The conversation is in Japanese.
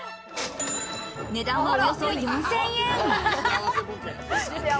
値段はおよそ４０００円。